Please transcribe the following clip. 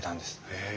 へえ。